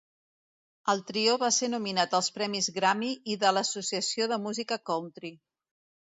El trio va ser nominat als premis Grammy i de l'Associació de Música Country.